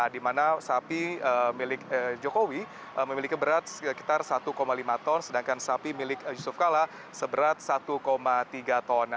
di mana sapi milik jokowi memiliki berat sekitar satu lima ton sedangkan sapi milik yusuf kala seberat satu tiga ton